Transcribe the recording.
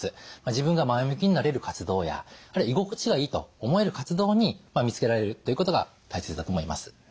自分が前向きになれる活動や居心地がいいと思える活動に見つけられるということが大切だと思います。